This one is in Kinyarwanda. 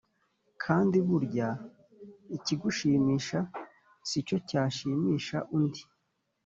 kandi burya ikigushimisha si cyo cyashimisha und